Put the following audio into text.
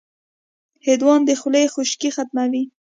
هندوانه د خولې خشکي ختموي.